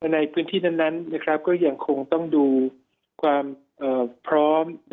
ในพื้นที่นั้นก็ยังคงต้องดูความพร้อม